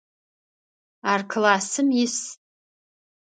Ар классым ис.